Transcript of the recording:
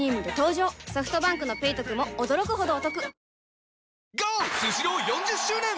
ソフトバンクの「ペイトク」も驚くほどおトク